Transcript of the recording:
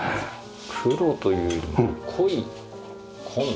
黒というよりも濃い紺というか。